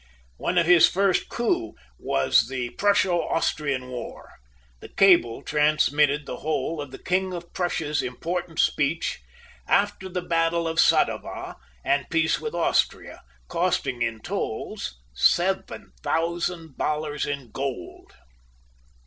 One of his first coups was the Prusso Austrian war. The cable transmitted the whole of the King of Prussia's important speech after the battle of Sadowa and peace with Austria, costing in tolls seven thousand dollars in gold."